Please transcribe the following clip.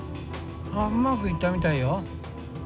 あぁうまくいったみたいよ。